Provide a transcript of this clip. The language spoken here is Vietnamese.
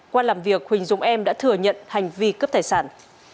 qua làm việc huỳnh dũng em đã thừa nhận hành vi cướp tài sản